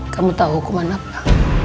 kamu tahu hukuman apa